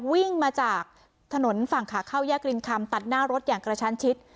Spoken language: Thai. วิ่งมาจากถนนฝั่งขาเข้าแยกรินคำตัดหน้ารถอย่างกระชันชิด